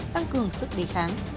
tăng cường sức đề kháng